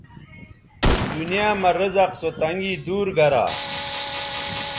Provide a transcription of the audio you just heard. دنیاں مہ رزق سو تنگی دور گرا